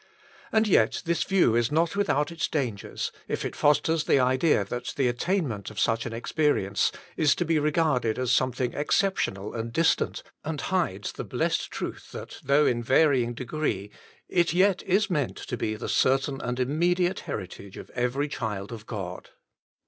And yet this view is not without its dan gers, if it fosters the idea that the attainment of such an experience is to be regarded as something exceptional and distant, and hides the blessed truth that, though in varying degree, it yei is meant to be the certain and immediate heritage of every child of God.